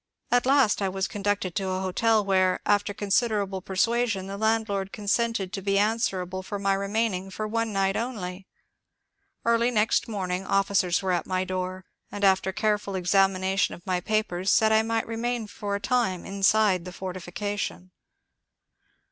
At last I was conducted to a hotel where, after considerable persuasion, the landlord consented to be answerable for my remaining for one night only. Early next morning officers were at my door, and after careful examination of my papers said I might remain for a time inside the fortification.